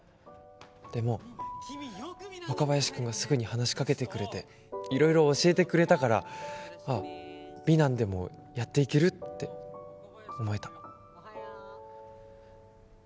でも若林くんがすぐに話しかけてくれていろいろ教えてくれたからあっ美南でもやっていけるって思えた。